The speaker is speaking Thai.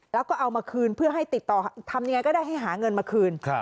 แล้วก็เอามาคืนเพื่อให้ติดต่อทำยังไงก็ได้ให้หาเงินมาคืน